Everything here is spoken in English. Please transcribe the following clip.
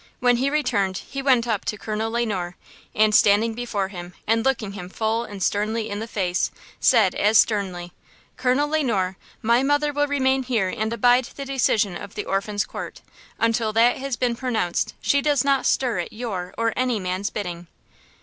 When he returned he went up to Colonel Le Noir, and, standing before him and looking him full and sternly in the face, said, as sternly: "Colonel Le Noir, my mother will remain here and abide the decision of the Orphans' Court; until that has been pronounced, she does not stir at your or any man's bidding!"